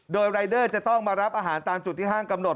โดยรายเดอร์จะต้องมารับอาหารตามจุดที่ห้างกำหนด